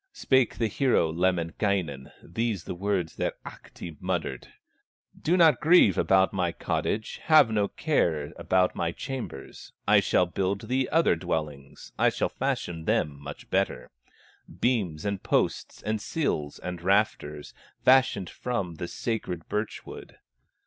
Spake the hero, Lemminkainen, These the words that Ahti uttered: "Do not grieve about my cottage, Have no care about my chambers; I shall build thee other dwellings, I shall fashion them much better, Beams, and posts, and sills, and rafters, Fashioned from the sacred birch wood."